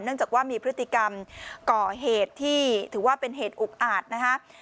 จากว่ามีพฤติกรรมก่อเหตุที่ถือว่าเป็นเหตุอุกอาจนะคะ